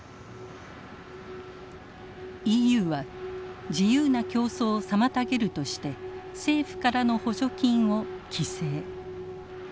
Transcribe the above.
ＥＵは自由な競争を妨げるとして政府からの補助金を規制。